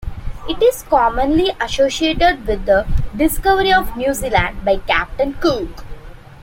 It is commonly associated with the discovery of New Zealand by Captain Cook.